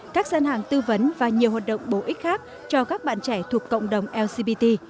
các gian hàng tư vấn và nhiều hoạt động bổ ích khác cho các bạn trẻ thuộc cộng đồng lcbt